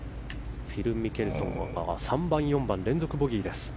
フィル・ミケルソンは３番４番、連続ボギーです。